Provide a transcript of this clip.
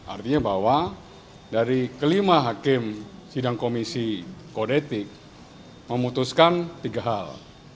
artinya bahwa dari kelima hakim sidang komisi kodetik memutuskan tiga hal